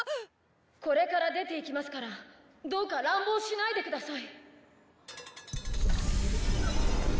これから出ていきますからどうか乱暴しないでください。